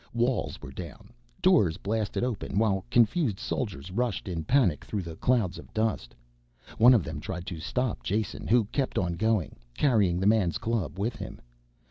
Walls were down, doors blasted open while confused soldiers rushed in panic through the clouds of dust. One of them tried to stop Jason who kept on going, carrying the man's club with him.